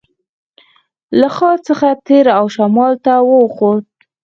له ښار څخه تېر او شمال ته واوښتو.